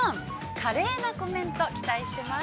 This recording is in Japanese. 華麗なコメント期待してます。